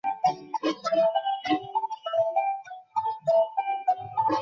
তিনি তাঁর বিজ্ঞানকল্পকাহিনীগুলোর জন্য সিউডোসায়েন্স থেকে জনপ্রিয় উপাদান সংগ্রহ করেন।